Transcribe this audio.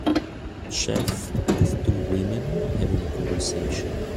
Chef with two women having a conversation.